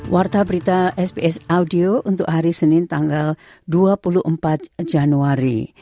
warta berita sps audio untuk hari senin tanggal dua puluh empat januari